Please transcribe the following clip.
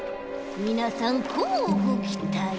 みなさんこうごきたい。